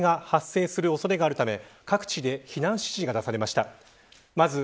台風の接近に伴い災害が発生する恐れがあるため各地で避難指示が出されました。